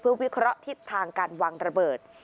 วิเคราะห์ทิศทางการวางระเบิด